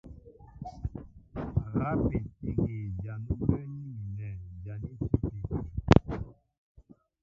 Rápin ígí jǎn ú bə́ə́ní mi nɛ̂ jǎn í tʉ́pí.